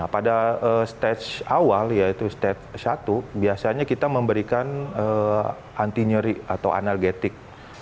pada stage awal yaitu stage satu biasanya kita memberikan anti nyeri atau analgetik